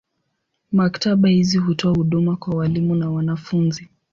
Maktaba hizi hutoa huduma kwa walimu na wanafunzi.